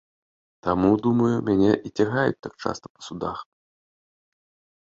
Таму, думаю, мяне і цягаюць так часта па судах.